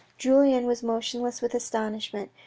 Julien was motionless with astonishment.